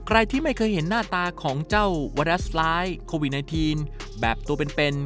ใครที่ไม่เคยเห็นหน้าตาของเจ้าไวรัสร้ายโควิด๑๙แบบตัวเป็น